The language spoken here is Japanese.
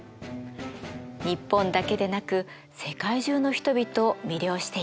日本だけでなく世界中の人々を魅了しています。